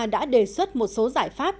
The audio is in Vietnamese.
đã đề xuất một số giải pháp